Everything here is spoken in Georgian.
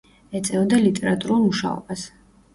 ეწეოდა ლიტერატურულ მუშაობას.